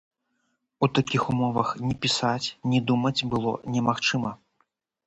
У такіх умовах ні пісаць, ні думаць было немагчыма.